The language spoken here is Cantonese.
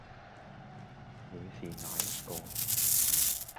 會是哪一個